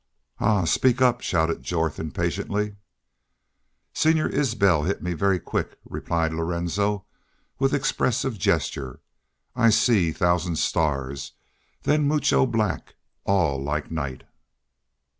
"Hah! Speak up," shouted Jorth, impatiently. "Senor Isbel heet me ver quick," replied Lorenzo, with expressive gesture. "I see thousand stars then moocho black all like night."